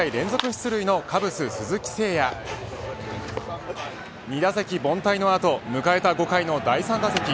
出塁のカブス、鈴木誠也２打席凡退の後迎えた５回の第３打席。